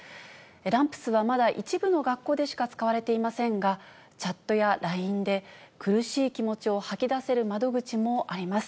ＲＡＭＰＳはまだ一部の学校でしか使われていませんが、チャットやＬＩＮＥで苦しい気持ちを吐き出せる窓口もあります。